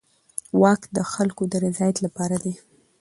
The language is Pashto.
واک د خلکو د رضایت لپاره دی.